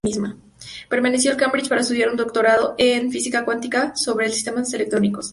Permaneció en Cambridge para estudiar un doctorado en física cuántica sobre los sistemas electrónicos.